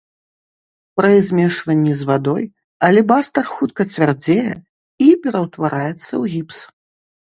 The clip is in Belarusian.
Пры змешванні з вадой алебастр хутка цвярдзее і пераўтвараецца ў гіпс.